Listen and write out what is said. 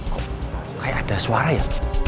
kok kayak ada suara ya